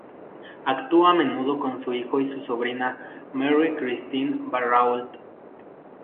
Actuó a menudo con su hijo y su sobrina Marie Christine Barrault.